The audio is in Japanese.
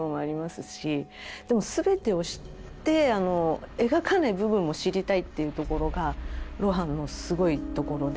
でも全てを知って描かない部分も知りたいっていうところが露伴のすごいところで。